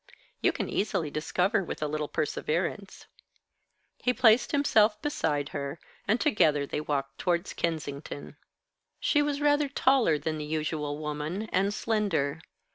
"You can easily discover with a little perseverance." He placed himself beside her, and together they walked towards Kensington. She was rather taller than the usual woman, and slender.